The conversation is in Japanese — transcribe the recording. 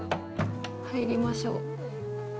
入りましょう。